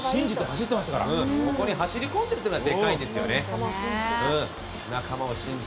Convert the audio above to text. あそこに走り込んでいるというのがでかいですよね。